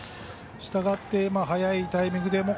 したがって、早いタイミングで。